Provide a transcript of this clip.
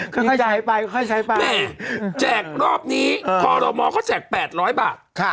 ค่อยใช้ไปแม่แจกรอบนี้คอรอมอเขาแจก๘๐๐บาท